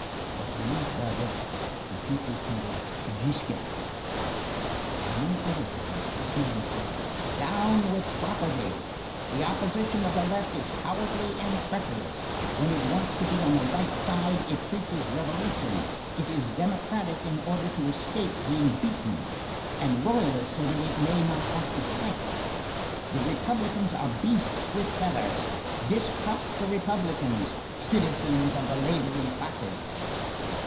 But beneath Babeuf, the people scented Gisquet. Among other things, this man said:— "Down with property! The opposition of the left is cowardly and treacherous. When it wants to be on the right side, it preaches revolution, it is democratic in order to escape being beaten, and royalist so that it may not have to fight. The republicans are beasts with feathers. Distrust the republicans, citizens of the laboring classes."